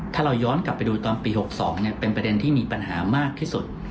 ถ้าเราย้อนกลับไปดูตอนปี๖๒เป็นประเด็นที่มีปัญหามากที่สุด